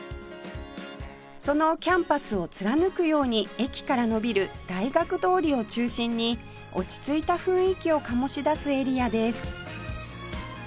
そのキャンパスを貫くように駅から伸びる大学通りを中心に落ち着いた雰囲気を醸し出すエリアです